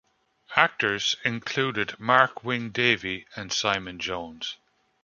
Actors included Mark Wing-Davey and Simon Jones.